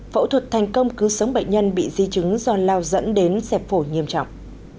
phẫu thuật thành công cứu sống bệnh nhân bị di chứng do lao dẫn đến xẹp phổi nghiêm trọng